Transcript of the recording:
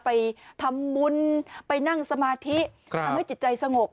ไปทำบุญไปนั่งสมาธิทำให้จิตใจสงบ